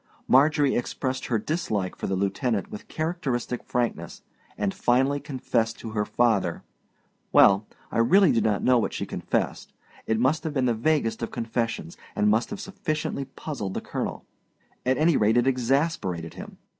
Marjorie expressed her dislike for the lieutenant with characteristic frankness, and finally confessed to her father well, I really do not know what she confessed. It must have been the vaguest of confessions, and must have sufficiently puzzled the colonel. At any rate, it exasperated him.